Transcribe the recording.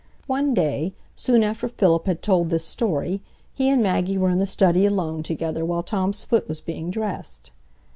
One day, soon after Philip had told this story, he and Maggie were in the study alone together while Tom's foot was being dressed.